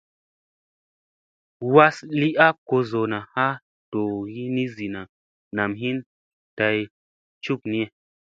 Was ii kozona ha goo zina nam hin day cukniye.